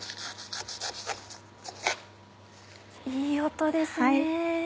いい音ですね。